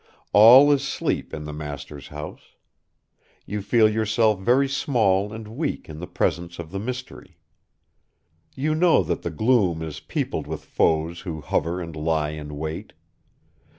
All is sleep in the master's house. You feel yourself very small and weak in the presence of the mystery. You know that the gloom is peopled with foes who hover and lie in wait.